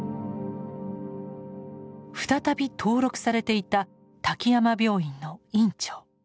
再び登録されていた滝山病院の院長。